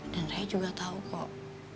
dan raya juga tau kok